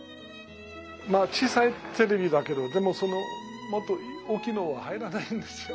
小さいテレビだけどでもそのもっと大きいのは入らないんですよ。